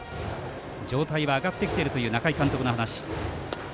状態は上がってきているという中井監督の話。